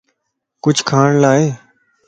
ڪچھه کاڻ لا ائي؟